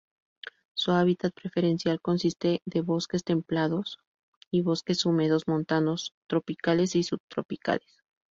Su hábitat preferencial consiste de bosques templados y bosques húmedos montanos tropicales y subtropicales.